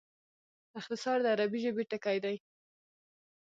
اختصار د عربي ژبي ټکی دﺉ.